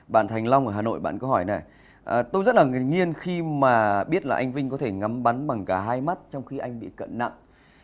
bằng nghiêng khi mà biết là anh vinh có thể ngắm bắn bằng cả hai mắt trong khi anh bị cận nặng